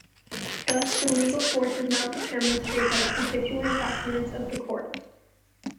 Thus, the legal force is not determined straight by constituent documents of the Court.